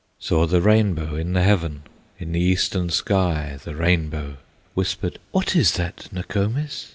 Saw the rainbow in the heaven, In the eastern sky, the rainbow, Whispered, "What is that, Nokomis?"